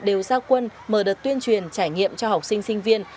đều giao quân mở đợt tuyên truyền trải nghiệm cho học sinh sinh viên